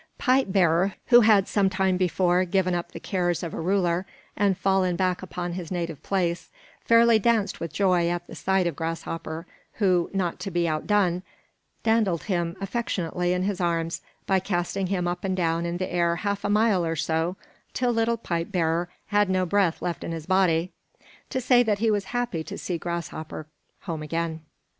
Pipe bearer, who had some time before given up the cares of a ruler and fallen back upon his native place, fairly danced with joy at the sight of Grasshopper, who, not to be outdone, dandled him affectionately in his arms by casting him up and down in the air half a mile or so, till little Pipe bearer had no breath left in his body to say that he was happy to see Grasshopper home again.